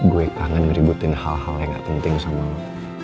gue kangen ributin hal hal yang gak penting sama lo